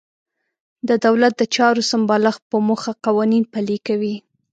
د دولت د چارو سمبالښت په موخه قوانین پلي کوي.